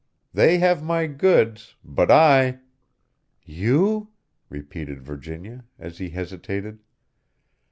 They have my goods but I " "You?" repeated Virginia, as he hesitated.